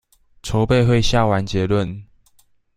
籌備會下完結論